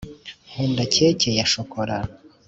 nkunda cake ya shokora.